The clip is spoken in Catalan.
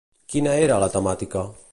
Quina era la temàtica?